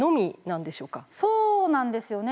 そうなんですよね。